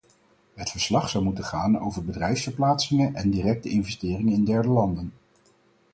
Het verslag zou moeten gaan over bedrijfsverplaatsingen en directe investeringen in derde landen.